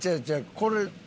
これ。